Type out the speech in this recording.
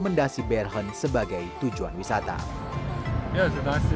mereka bers quiser surat surat temporada baekse serta nuestro